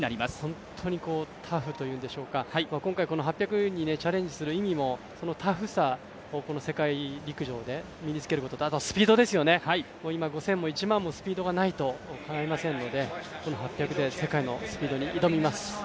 本当にタフというんでしょうか今回、８００にチャレンジする意味もそのタフさを世界陸上で身に付けること、あとはスピードですよね、今５０００も１００００もスピードがないとかないませんのでこの８００で世界のスピードに挑みます。